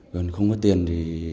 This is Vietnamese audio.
còn không có tiền thì